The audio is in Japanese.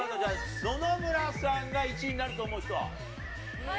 野々村さんが１位になると思う人は？